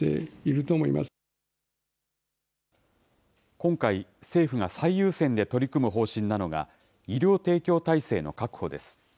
今回、政府が最優先で取り組む方針なのが、医療提供体制の確保です。